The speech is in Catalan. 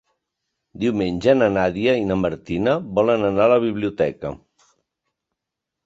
Diumenge na Nàdia i na Martina volen anar a la biblioteca.